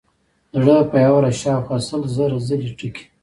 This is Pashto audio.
زړه په یوه ورځ شاوخوا سل زره ځلې ټکي.